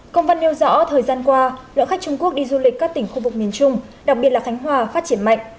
công văn nêu rõ thời gian qua lượng khách trung quốc đi du lịch các tỉnh khu vực miền trung đặc biệt là khánh hòa phát triển mạnh